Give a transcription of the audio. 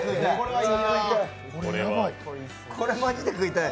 これ、マジで食いたい。